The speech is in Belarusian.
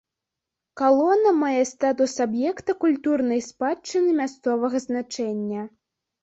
Калона мае статус аб'екта культурнай спадчыны мясцовага значэння.